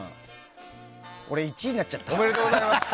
俺、１位になっちゃった。